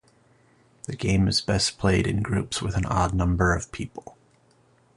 The game is best played in groups with an odd number of people.